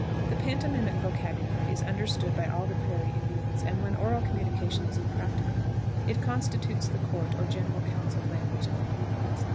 The pantomimic vocabulary is understood by all the Prairie Indians, and when oral communication is impracticable it constitutes the court or general council language of the Plains.